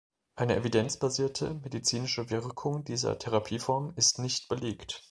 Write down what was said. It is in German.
Eine evidenzbasierte medizinische Wirkung dieser Therapieform ist nicht belegt.